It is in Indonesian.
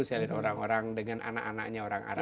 selain orang orang dengan anak anaknya orang arab